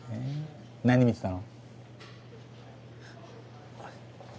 何見てたの？